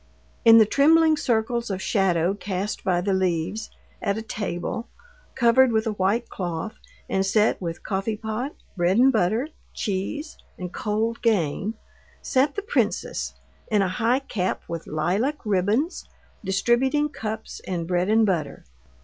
In the trembling circles of shadow cast by the leaves, at a table, covered with a white cloth, and set with coffeepot, bread and butter, cheese, and cold game, sat the princess in a high cap with lilac ribbons, distributing cups and bread and butter.